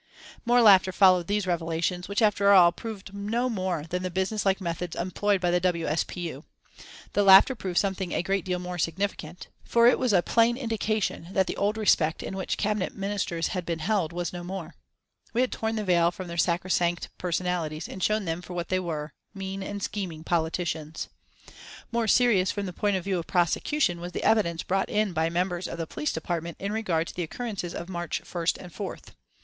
More laughter followed these revelations, which after all proved no more than the business like methods employed by the W. S. P. U. The laughter proved something a great deal more significant, for it was a plain indication that the old respect in which Cabinet Ministers had been held was no more. We had torn the veil from their sacro sanct personalities and shown them for what they were, mean and scheming politicians. More serious from the point of view of prosecution was the evidence brought in by members of the police department in regard to the occurrences of March 1st and 4th.